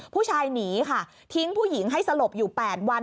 ผู้ชายหนีค่ะทิ้งผู้หญิงให้สลบอยู่๘วัน